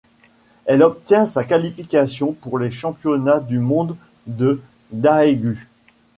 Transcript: Elle obtient sa qualification pour les Championnats du monde de Daegu.